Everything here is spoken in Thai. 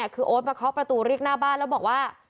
คือโอ๊ตมาเคาะประตูเรียกหน้าบ้านแล้วบอกว่า